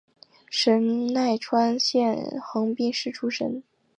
神奈川县横滨市出身。